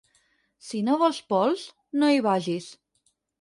Si no vols pols, no hi vagis.